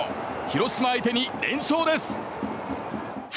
広島相手に連勝です。